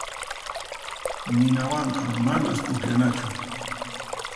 Ninawanqa manas pukllanachu.